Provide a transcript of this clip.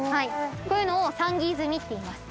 こういうのを算木積みっていいます。